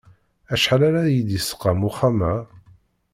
Acḥal ara yi-d-isqam uxxam-a?